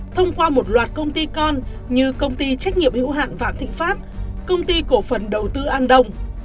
thông qua một loạt công ty con như công ty trách nhiệm hữu hạn vạn thịnh pháp công ty cổ phần đầu tư an đông